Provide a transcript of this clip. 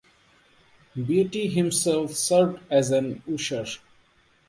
Beatty himself served as an usher.